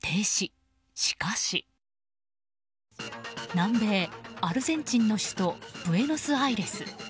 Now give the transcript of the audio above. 南米アルゼンチンの首都ブエノスアイレス。